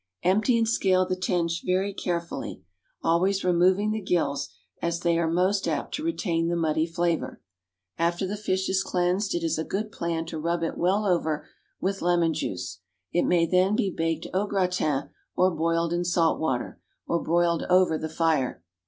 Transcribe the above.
Empty and scale the tench very carefully, always removing the gills, as they are most apt to retain the muddy flavour. After the fish is cleansed it is a good plan to rub it well over with lemon juice. It may then be baked au gratin, or boiled in salt water, or broiled over the fire.